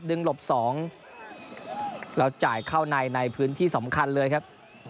หลบสองแล้วจ่ายเข้าในในพื้นที่สำคัญเลยครับ